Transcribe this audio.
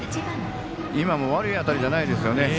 今も悪い当たりじゃないですよね。